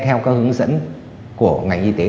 theo các hướng dẫn của ngành y tế